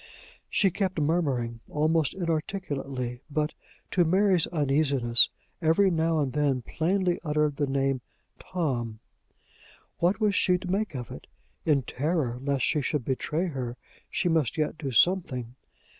She kept murmuring almost inarticulately; but, to Mary's uneasiness, every now and then plainly uttered the name Tom. What was she to make of it? In terror lest she should betray her, she must yet do something.